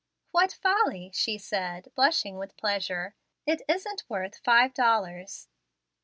"What folly!" she said, blushing with pleasure; "it isn't worth five dollars."